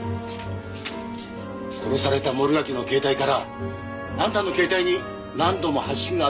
殺された森脇の携帯からあんたの携帯に何度も発信があった。